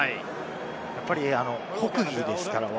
やっぱり国技ですからね。